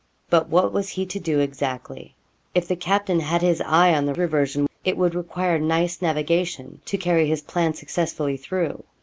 But what was he to do exactly? If the captain had his eye on the reversion, it would require nice navigation to carry his plan successfully through.